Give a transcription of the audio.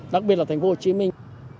đặc biệt là thành phố hồ chí minh